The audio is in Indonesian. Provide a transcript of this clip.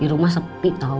di rumah sepi tau